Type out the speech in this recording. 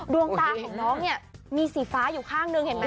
ดวงตาของน้องเนี่ยมีสีฟ้าอยู่ข้างหนึ่งเห็นไหม